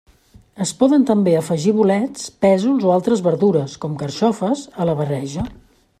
Es poden també afegir bolets, pèsols o altres verdures, com carxofes, a la barreja.